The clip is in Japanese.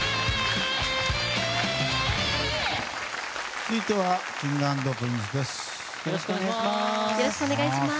続いてはＫｉｎｇ＆Ｐｒｉｎｃｅです。